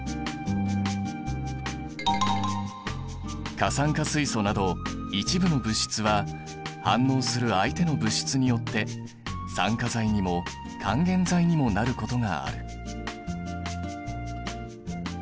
過酸化水素など一部の物質は反応する相手の物質によって酸化剤にも還元剤にもなることがある。